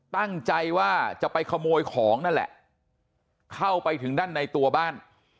ตั้งใจว่าจะไปขโมยของนั่นแหละเข้าไปถึงด้านในตัวบ้าน